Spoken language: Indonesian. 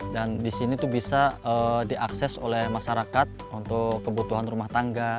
dan di sini bisa diakses oleh masyarakat untuk kebutuhan rumah tangga